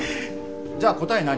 じゃあ答え何？